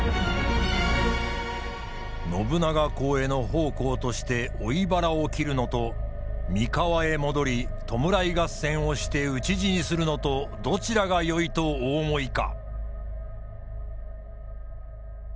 信長公への奉公として追腹を切るのと三河へ戻り弔い合戦をして討ち死にするのとどちらがよいとお思いか！